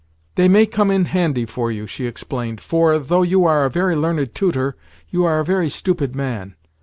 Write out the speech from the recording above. "They may come in handy for you," she explained, "for, though you are a very learned tutor, you are a very stupid man.